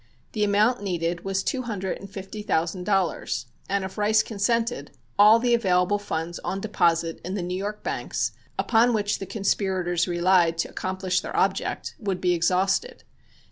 The amount needed was two hundred and fifty thousand dollars and if Rice consented, all the available funds on deposit in the New York banks, upon which the conspirators relied to accomplish their object, would be exhausted.